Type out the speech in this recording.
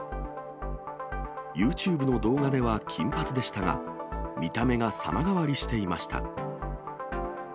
ユーチューブの動画では金髪でしたが、見た目が様変わりしていました。